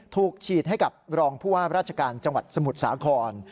ถูกฉีดให้กับรองผู้ว่าราชการจังหวัดสมุทรสาคร